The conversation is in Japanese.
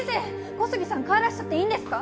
小杉さん帰らせちゃっていいんですか？